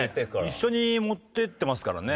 一緒に持っていってますからね。